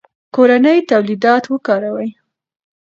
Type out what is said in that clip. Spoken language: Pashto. کورني تولیدات وکاروئ.